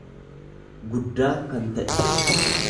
guddaa kan ta'e.